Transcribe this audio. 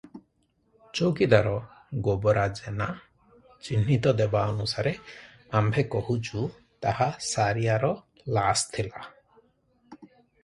ଚୌକିଦାର ଗୋବରା ଜେନା ଚିହ୍ନିତ ଦେବା ଅନୁସାରେ ଆମ୍ଭେ କହୁଛୁ ତାହା ସାରିଆର ଲାସ୍ ଥିଲା ।